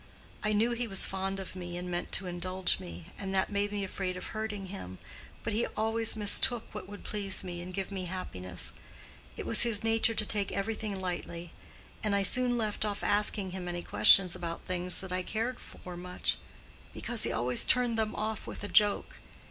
I knew he was fond of me and meant to indulge me, and that made me afraid of hurting him; but he always mistook what would please me and give me happiness. It was his nature to take everything lightly; and I soon left off asking him any questions about things that I cared for much, because he always turned them off with a joke.